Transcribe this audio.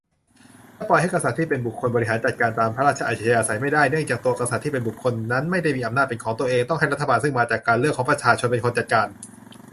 จะปล่อยให้กษัตริย์ที่เป็นบุคคลบริหารจัดการ ตามพระราชอัธยาศัย ไม่ได้ เนื่องจากตัวกษัตริย์ที่เป็นบุคคลนั้นไม่ได้มีอำนาจเป็นของตัวเอง ต้องให้รัฐบาลซึ่งมาจากการเลือกของประชาชนเป็นคนจัดการ